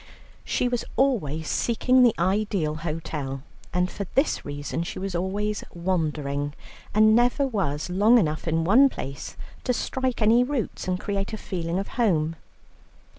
She was always seeking the ideal hotel, and for this reason she was always wandering, and never was long enough in one place to strike any roots and create a feeling of home.